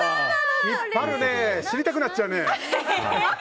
知りたくなっちゃうね。